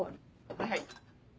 はいはい。